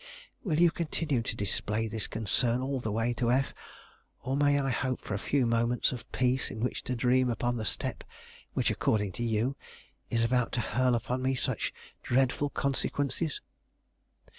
Will you continue to display this concern all the way to F , or may I hope for a few moments of peace in which to dream upon the step which, according to you, is about to hurl upon me such dreadful consequences?"